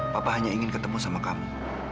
papa hanya ingin ketemu sama kamu